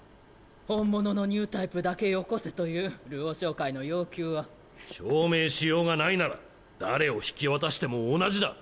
本物のニュータイプだけよこせという証明しようがないなら誰を引き渡しても同じだ。